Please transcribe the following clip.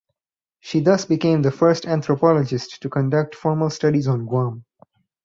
She thus became the first anthropologist to conduct formal studies on Guam.